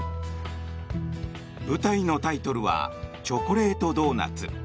舞台のタイトルは「チョコレートドーナツ」。